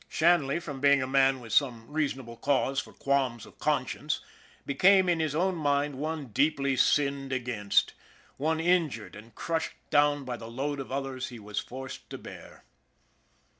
Shanley, from being a man with some reasonable cause for qualms of conscience, be came, in his own mind, one deeply sinned against, one injured and crushed down by the load of others he was forced to bear.